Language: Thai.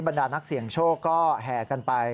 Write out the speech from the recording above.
ดานักเสี่ยงโชคก็แห่กันไป